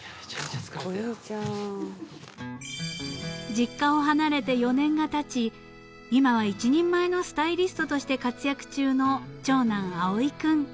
・［実家を離れて４年がたち今は一人前のスタイリストとして活躍中の長男葵君］